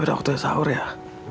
udah waktunya soebang ya